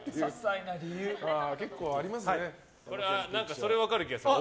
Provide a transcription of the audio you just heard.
それは分かる気がする。